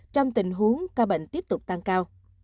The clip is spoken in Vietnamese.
trong tình huống ca bệnh tiếp tục tăng cao